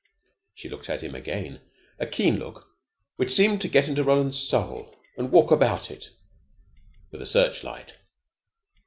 She looked at him again a keen look which seemed to get into Roland's soul and walk about it with a searchlight.